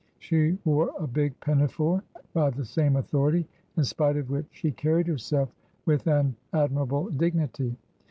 She wore a big pinafore by the same authority, in spite of which she carried herself with an admirable dignity.